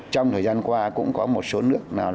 trong thời gian qua cũng có một số nước nào